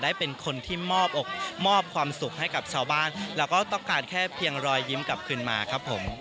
เป็นคนที่มอบอกมอบความสุขให้กับชาวบ้านแล้วก็ต้องการแค่เพียงรอยยิ้มกลับคืนมาครับผม